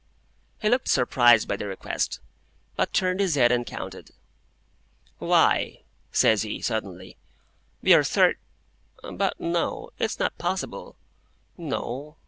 He looked surprised by the request, but turned his head and counted. "Why," says he, suddenly, "we are Thirt—; but no, it's not possible. No.